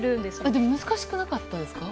でも、難しくなかったですか？